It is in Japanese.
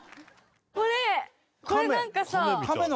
これこれなんかさ。